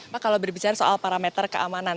pak kalau berbicara soal parameter keamanan